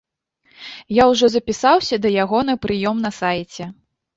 Я ўжо запісаўся да яго на прыём на сайце.